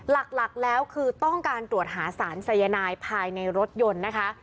หลักแล้วคือต้องการตรวจหาสารสายนายภายในรถยนต์นะคะ